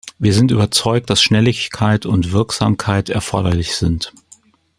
Wir sind überzeugt, dass Schnelligkeit und Wirksamkeit erforderlich sind.